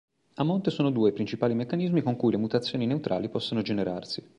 A monte sono due i principali meccanismi con cui le mutazioni neutrali possono generarsi.